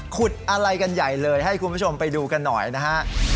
อะไรกันใหญ่เลยให้คุณผู้ชมไปดูกันหน่อยนะฮะ